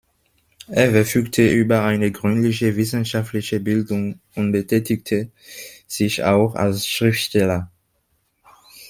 Er verfügte über eine gründliche wissenschaftliche Bildung und betätigte sich auch als Schriftsteller.